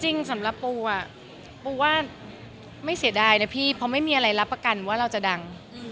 จริงสำหรับปูอ่ะปูปูว่าไม่เสียดายนะพี่เพราะไม่มีอะไรรับประกันว่าเราจะดัง